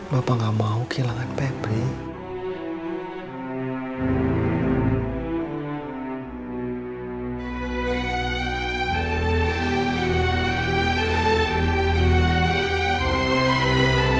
bapak gak mau kehilangan pepri